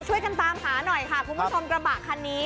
ช่วยกันตามหาหน่อยค่ะคุณผู้ชมกระบะคันนี้